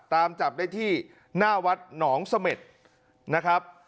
ตามจับได้ที่หน้าวัดหนองเสม็ดนะครับ